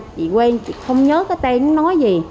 chị quên không nhớ cái tên nó nói gì